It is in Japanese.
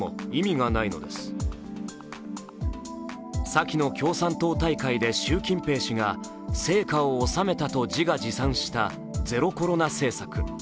先の共産党大会で習近平氏が「成果を収めた」と自画自賛したゼロコロナ政策。